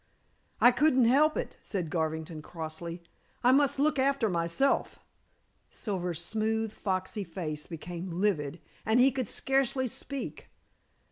"I couldn't help it," said Garvington crossly. "I must look after myself." Silver's smooth, foxy face became livid, and he could scarcely speak.